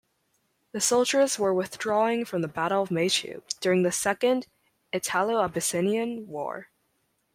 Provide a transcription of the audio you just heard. The soldiers were withdrawing from the Battle of Maychew during the Second Italo-Abyssinian War.